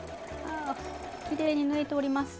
きれいに縫えております。